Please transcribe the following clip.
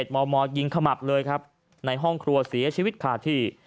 มมยิงขมับเลยครับในห้องครัวเสียชีวิตขาดที่